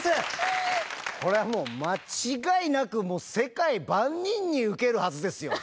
これはもう間違いなく、もう世界万人に受けるはずですよ。